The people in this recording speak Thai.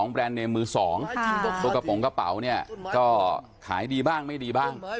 แรนดเนมมือสองตัวกระโปรงกระเป๋าเนี่ยก็ขายดีบ้างไม่ดีบ้าง